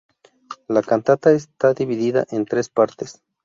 La cantata está dividida en tres partes.